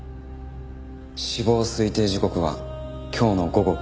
死亡推定時刻は今日の午後９時頃。